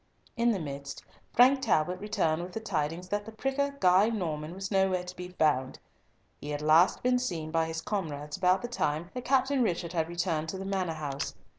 In the midst, Frank Talbot returned with the tidings that the pricker Guy Norman was nowhere to be found. He had last been seen by his comrades about the time that Captain Richard had returned to the Manor house.